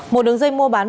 một đường dây mua bán ma